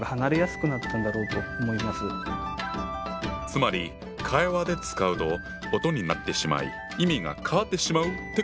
つまり会話で使うと音になってしまい意味が変わってしまうってことか。